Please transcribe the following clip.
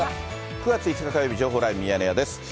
９月５日火曜日、情報ライブミヤネ屋です。